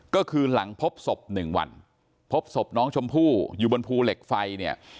ก็คือหลังพบศพหนึ่งวันพบศพน้องชมพู่อยู่บนภูเหล็กไฟเนี่ย